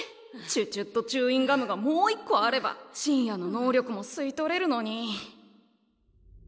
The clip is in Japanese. チュチュットチューインガムがもう一個あれば晋也の能力も吸い取れるのに。